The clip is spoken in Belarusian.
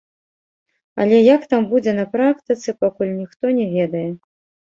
Але як там будзе на практыцы, пакуль ніхто не ведае.